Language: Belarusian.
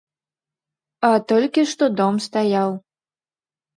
А толькі што дом стаяў.